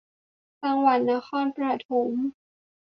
จังหวัดนครปฐม